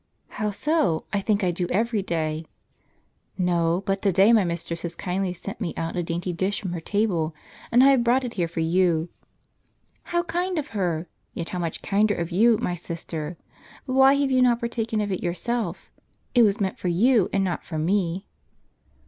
" How so? I think I do every day." "No, but to day my mistress has kindly sent me out a dainty dish from her table, and I have brought it here for you." "How kind of her; yet how much kinder of you, my sister! But why have you not partaken of it yourself? It was meant for you and not for me."